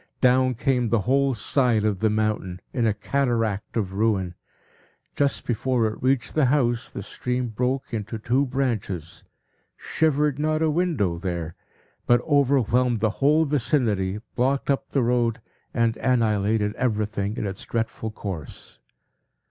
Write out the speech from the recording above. Down came the whole side of the mountain, in a cataract of ruin. Just before it reached the house, the stream broke into two branches, shivered not a window there, but overwhelmed the whole vicinity, blocked up the road, and annihilated everything in its dreadful course.